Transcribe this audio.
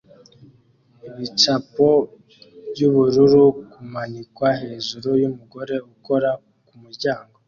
Ibicapo byubururu kumanikwa hejuru yumugore ukora kumuryango